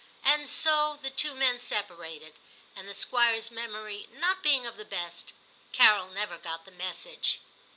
And so the two men separated ; and, the Squire's memory not being of the best, Carol never got the message.